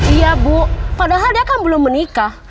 iya bu padahal dia kan belum menikah